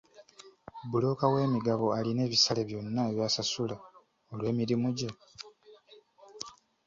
Bbulooka w'emigabo alina ebisale byonna by'asasulwa olw'emirimu gye?